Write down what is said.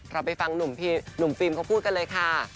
เราไปฟังหนุ่มฟิล์มเขาพูดกันเลยค่ะ